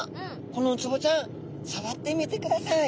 このウツボちゃんさわってみてください。